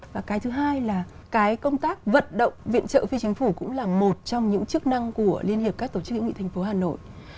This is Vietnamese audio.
và cái thứ hai là cái công tác vận động viện trợ phi chính phủ cũng là một trong những chức năng của liên hiệp các tổ chức hữu nghị thành phố hà nội